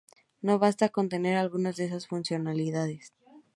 No basta con tener algunas de esas funcionalidades.